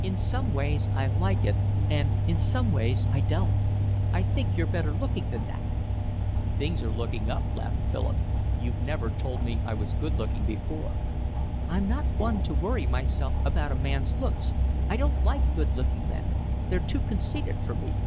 "In some ways I like it and in some ways I don't. I think you're better looking than that." "Things are looking up," laughed Philip. "You've never told me I was good looking before." "I'm not one to worry myself about a man's looks. I don't like good looking men. They're too conceited for me."